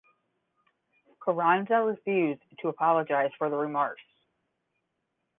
Carranza refused to apologize for the remarks.